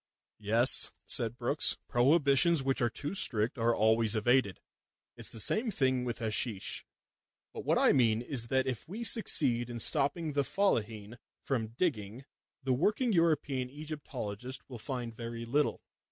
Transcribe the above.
"Yes," said Brookes. "Prohibitions which are too strict are always evaded. It's the same thing with hasheesh. But what I mean is that if we succeed in stopping the Fellaheen from digging, the working European Egyptologist will find very little.